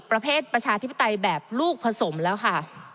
ประชาธิปไตยแบบลูกผสมแล้วค่ะ